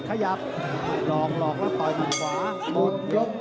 ขยับหลอกแล้วต่อยมันขวาหมด